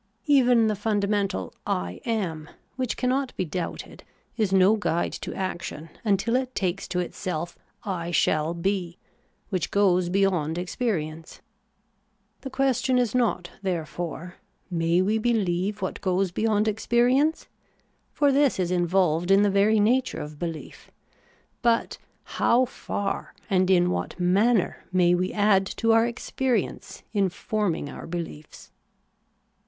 Even the fundamental ' I am,' which cannot be doubted, is no guide to action until it takes to itself ' I shall be,' which goes beyond experience. The question is not, therefore, ' May we beheve what goes beyond experi ence ?' for this is involved in the very nature of behef ; but ' How far and in what manner may we add to our experience in forming our behefs